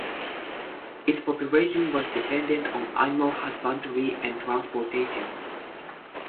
Its population was dependent on animal husbandry and transportation.